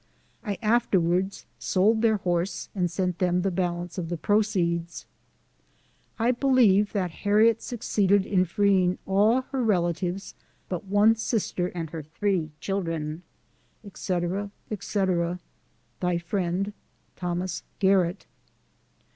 I afterwards sold their horse, and sent them the balance of the proceeds. I believe that Harriet succeeded in freeing all her relatives but one sister and her three children. Etc., etc. Thy friend, THOS. GARRETT.